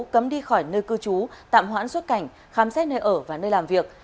cấm đi khỏi nơi cư trú tạm hoãn xuất cảnh khám xét nơi ở và nơi làm việc